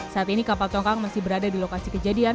saat ini kapal tongkang masih berada di lokasi kejadian